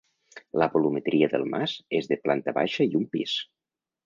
La volumetria del mas és de planta baixa i un pis.